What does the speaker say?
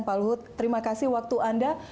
pak luhut terima kasih waktu anda